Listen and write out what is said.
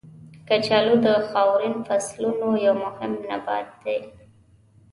کچالو د خاورین فصلونو یو مهم نبات دی.